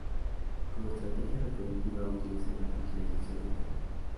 Como estrategia reproductiva, utiliza la fertilización externa.